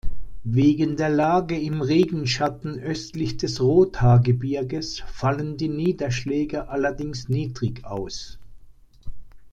Wegen der Lage im Regenschatten östlich des Rothaargebirges fallen die Niederschläge allerdings niedrig aus.